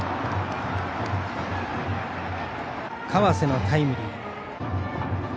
川瀬のタイムリー。